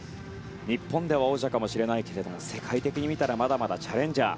日本では王者かもしれないけれど世界的にはまだまだチャレンジャー。